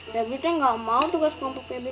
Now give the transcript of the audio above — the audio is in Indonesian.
febri teh gak mau tugas kompok febri